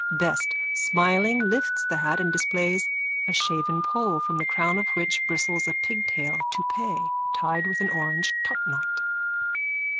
_ BEST: _(Smiling, lifts the hat and displays a shaven poll from the crown of which bristles a pigtail toupee tied with an orange topknot.)